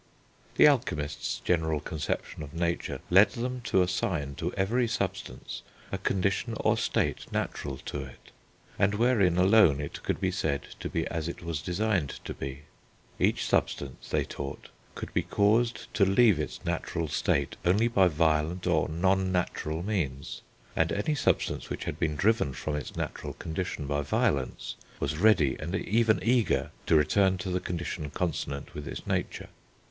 The alchemists' general conception of nature led them to assign to every substance a condition or state natural to it, and wherein alone it could be said to be as it was designed to be. Each substance, they taught, could be caused to leave its natural state only by violent, or non natural, means, and any substance which had been driven from its natural condition by violence was ready, and even eager, to return to the condition consonant with its nature.